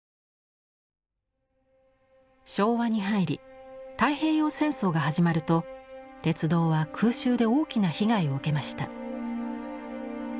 昭和に入り太平洋戦争が始まると鉄道は空襲で大きな被害を受けました。